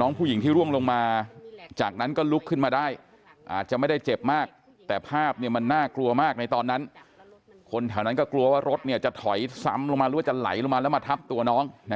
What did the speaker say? น้องผู้หญิงที่ร่วงลงมาจากนั้นก็ลุกขึ้นมาได้อาจจะไม่ได้เจ็บมากแต่ภาพเนี่ยมันน่ากลัวมากในตอนนั้น